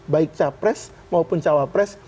baik capres maupun cawapres